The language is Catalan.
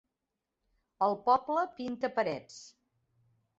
El poble pinta parets.